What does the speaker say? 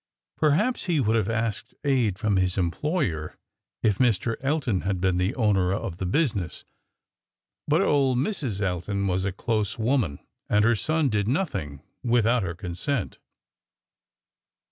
Perhaps he would have asked aid from his employer if Mr. Elton had been the owner of the business. But old Mrs. Elton was a close woman, and her son did nothing without her consent."